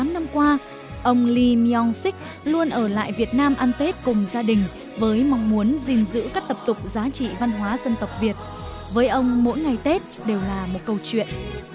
tám năm qua ông lee myan sik luôn ở lại việt nam ăn tết cùng gia đình với mong muốn gìn giữ các tập tục giá trị văn hóa dân tộc việt với ông mỗi ngày tết đều là một câu chuyện